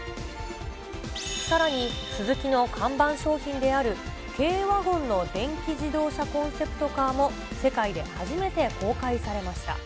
さらにスズキの看板商品である軽ワゴンの電気自動車コンセプトカーも、世界で初めて公開されました。